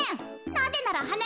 なぜならはな